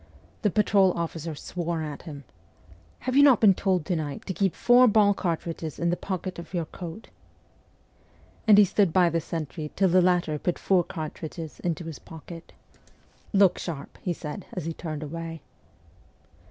The patrol officer swore at him. ' Have you not been told to night to keep four ball cartridges in the pocket of your coat ?' And he stood by the sentry till the latter put four ]?2 MEMOIRS OF A REVOLUTIONIST cartridges into his pocket. ' Look sharp !' he said as he turned away.